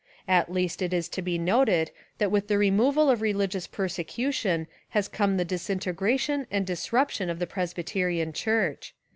At least it is to be noted that with the removal of rehgious persecution has come the disintegra tion and disruption of the Presbyterian church.